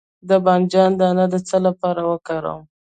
د بانجان دانه د څه لپاره وکاروم؟